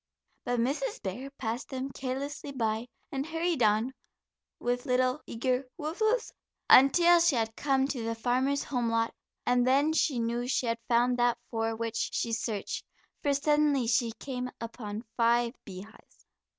But Mrs. Bear passed them carelessly by, and hurried on, with little eager "woof, woof's," until she had come to the farmer's home lot, and then she knew she had found that for which she searched, for suddenly she came upon five beehives.